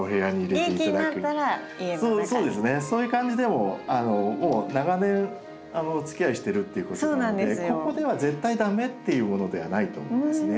もう長年おつきあいしてるっていうことなのでここでは絶対駄目っていうものではないと思うんですね。